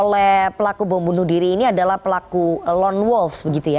nah d cache pelaku pembunuh diri ini adalah pelaku lone wolf